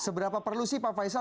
seberapa perlu sih pak faisal